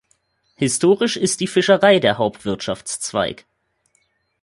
Historisch ist die Fischerei der Hauptwirtschaftszweig.